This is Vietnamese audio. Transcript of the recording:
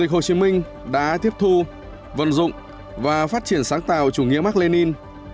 hồ chí minh đã tiếp thu vận dụng và phát triển sáng tạo chủ nghĩa mark lenin